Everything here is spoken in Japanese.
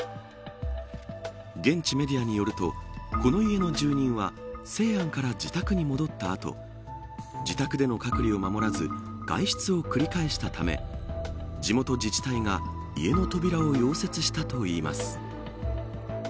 現地メディアによるとこの家の住人は西安から自宅に戻った後自宅での隔離を守らす外出を繰り返したため地元自治体が家の扉を溶接したといいます。